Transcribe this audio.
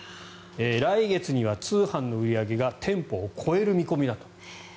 来月には通販の売り上げが店舗を超える見込みだと。